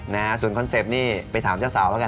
นะฮะส่วนคอนเซ็ปต์นี่ไปถามเจ้าสาวแล้วกัน